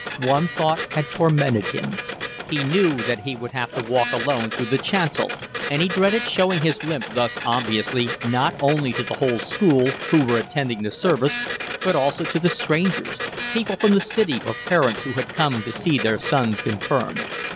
One thought had tormented him. He knew that he would have to walk alone through the chancel, and he dreaded showing his limp thus obviously, not only to the whole school, who were attending the service, but also to the strangers, people from the city or parents who had come to see their sons confirmed.